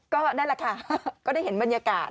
ก็นั่นแหละค่ะก็ได้เห็นบรรยากาศ